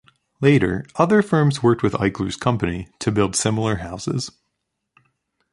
Later, other firms worked with Eichler's company to build similar houses.